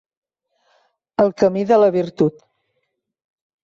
El camí de la virtut.